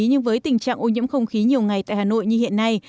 nhưng với tình trạng ô nhiễm không khí nhiều ngày tại hà nội như hiện nay